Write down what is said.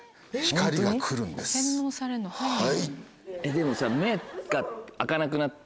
でもさ。